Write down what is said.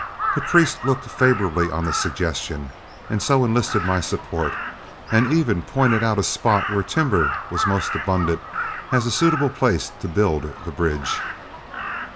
But Priest looked favorably on the suggestion, and so enlisted my support, and even pointed out a spot where timber was most abundant as a suitable place to build the bridge.